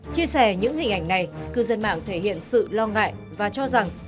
chia sẻ những hình ảnh này cư dân mạng thể hiện sự lo ngại và cho rằng